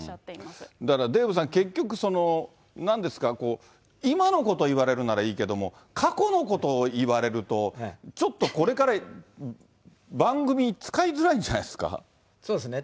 しだからデーブさん、結局、なんですか、今のこと言われるならいいけれども、過去のことを言われると、ちょっとこれから番組、そうですね。